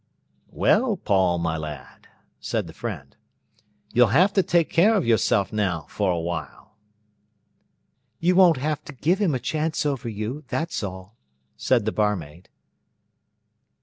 "Well, Paul, my lad," said the friend, "you'll have to take care of yourself now for a while." "You won't have to give him a chance over you, that's all," said the barmaid.